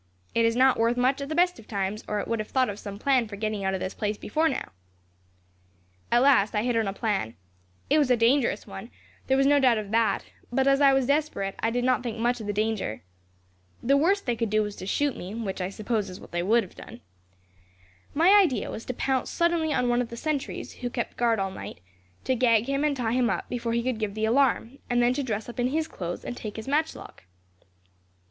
It is not worth much at the best of times, or it would have thought of some plan for getting out of this place before now.' "At last, I hit on a plan. It was a dangerous one, there was no doubt of that; but as I was desperate, I did not think much of the danger. The worst they could do was to shoot me, which I suppose is what they would have done. My idea was to pounce suddenly on one of the sentries, who kept guard all night; to gag him, and tie him up, before he could give the alarm; and then to dress up in his clothes, and take his matchlock.